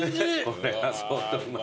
これは相当うまい。